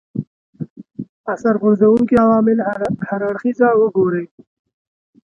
اثر غورځونکي عوامل هر اړخیزه وګوري